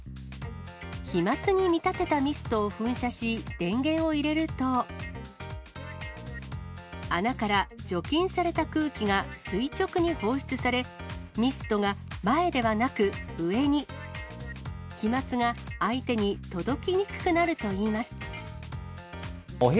飛まつに見立てたミストを噴射し、電源を入れると、穴から除菌された空気が垂直に放出され、ミストが前ではなく上に。飛まつが相手に届きにくくなるといいます。